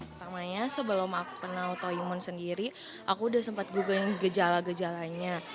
pertamanya sebelum aku kena autoimun sendiri aku udah sempat google gejala gejalanya